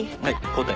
交代。